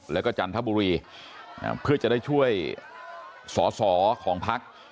แล้วก็จันทบุรีเพื่อจะได้ช่วยสอสอของพัก